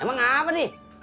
emang apa deh